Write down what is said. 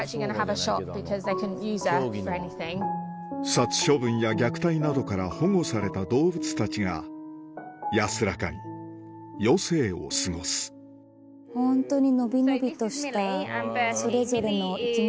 殺処分や虐待などから保護された動物たちが安らかに余生を過ごすあっホントだ。